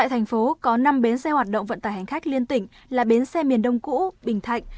hoạt động vận tải hành khách liên tỉnh là bến xe miền đông cũ bình thạnh